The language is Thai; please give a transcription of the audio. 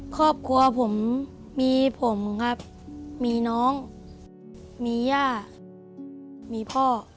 ครอบครัวผมมีผมครับมีน้องมีย่ามีพ่อ